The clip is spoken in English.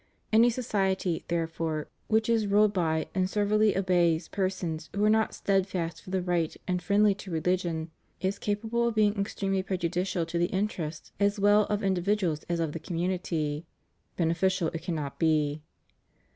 Any society, therefore, which is ruled by and servilely obeys persons who are not steadfast for the right and friendly to religion is capable of being extremely prejudicial to the interests as well of individuals as of the community; beneficial it cannot be.